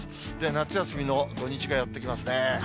夏休みの土日がやって来ますね。